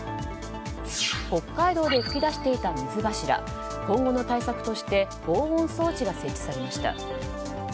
北海道で噴き出していた水柱今後の対策として防音装置が設置されました。